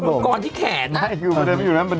มันกว่าที่แขนน่ะ